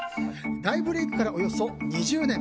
大ブレークからおよそ２０年。